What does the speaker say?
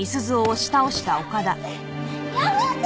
やめて！